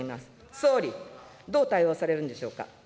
総理、どう対応されるんでしょうか。